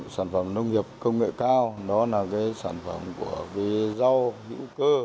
sản phẩm nông nghiệp công nghệ cao đó là sản phẩm của vị rau hữu cơ